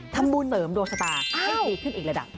เลิกเสริมดวงชะตากับดักให้ยิ่งขึ้นอีกระดับ